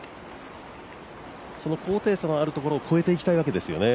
高低差のあるところを越えていきたいわけですよね。